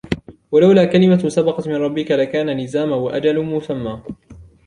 ولولا كلمة سبقت من ربك لكان لزاما وأجل مسمى